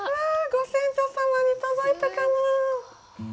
ご先祖様に届いたかな。